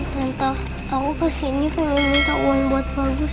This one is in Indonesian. tante aku kesini mau minta uang buat bagus